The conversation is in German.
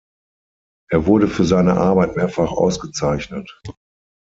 Er wurde für seine Arbeit mehrfach ausgezeichnet.